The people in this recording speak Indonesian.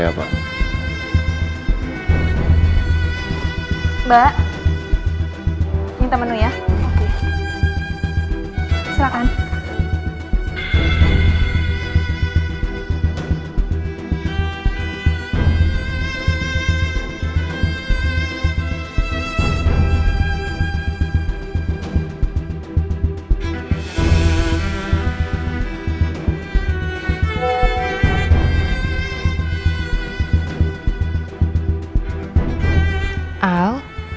ya kan kamu tau makanan kesuatan itu